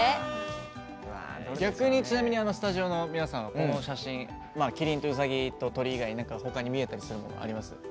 ちなみにスタジオの皆さんはこの写真、麒麟とうさぎと鳥以外に他に見えたりするものあります？